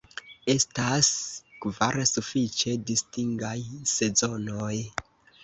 Estas kvar sufiĉe distingaj sezonoj.